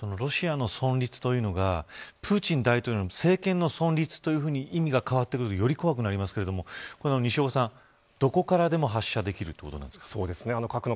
ロシアの存立というのがプーチン大統領の政権の存立というふうに意味が変わってくるとより怖くなりますが、西岡さんどこからでも発射できるということなんですか。